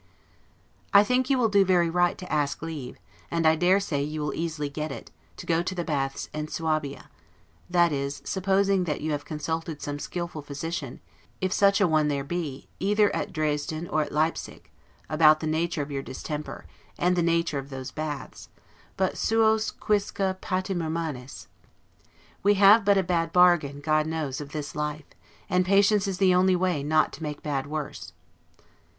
I think you will do very right to ask leave, and I dare say you will easily get it, to go to the baths in Suabia; that is, supposing that you have consulted some skillful physician, if such a one there be, either at Dresden or at Leipsic, about the nature of your distemper, and the nature of those baths; but, 'suos quisque patimur manes'. We have but a bad bargain, God knows, of this life, and patience is the only way not to make bad worse.